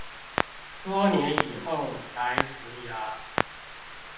多年以後才植牙